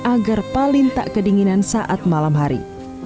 agar paling tak kedinginan saat malam hari